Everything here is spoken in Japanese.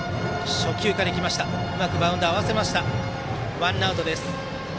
ワンアウトです。